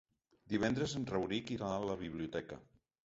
Divendres en Rauric irà a la biblioteca.